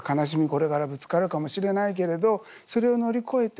これからぶつかるかもしれないけれどそれを乗り越えて